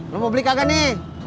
lo mau beli kagak nih